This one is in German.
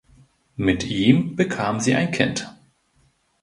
Mit ihm bekam sie ein Kind.